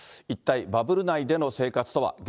一体バブル内での生活とは。